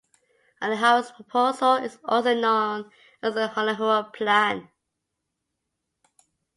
Ollenhauer's proposal is also known as the Ollenhauer Plan.